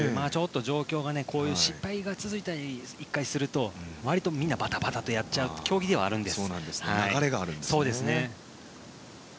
状況がこういう失敗が続いたりが１回すると割とバタバタとやっちゃう競技ではあります。